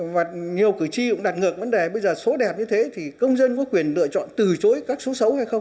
và nhiều cử tri cũng đặt ngược vấn đề bây giờ số đẹp như thế thì công dân có quyền lựa chọn từ chối các số xấu hay không